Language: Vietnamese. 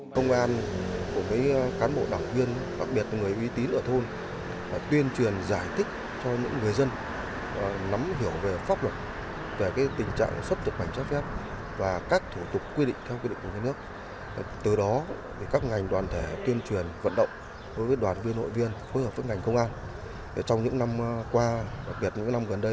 công an của các cán bộ đảng viên đặc biệt là người uy tín ở thôn tuyên truyền giải thích cho những người dân